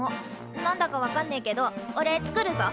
なんだかわかんねえけどおれ作るぞ！